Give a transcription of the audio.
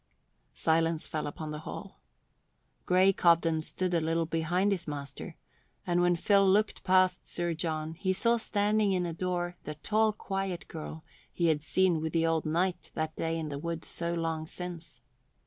Silence fell upon the hall. Grey Cobden stood a little behind his master, and when Phil looked past Sir John he saw standing in a door the tall, quiet girl he had seen with the old knight that day in the wood so long since.